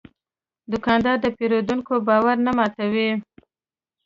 دوکاندار د پېرودونکي باور نه ماتوي.